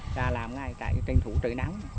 ra làm ngay tại tranh thủ trời nắng